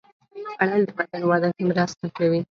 خوړل د بدن وده کې مرسته کوي